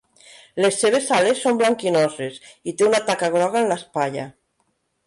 Les seves ales són blanquinoses i té una taca groga en l'espatlla.